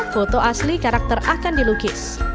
foto asli karakter akan dilukis